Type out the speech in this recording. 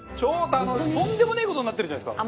とんでもねえ事になってるじゃないですか。